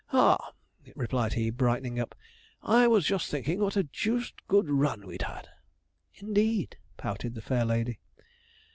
'Ah!' replied he, brightening up; 'I was just thinking what a deuced good run we'd had.' 'Indeed!' pouted the fair lady.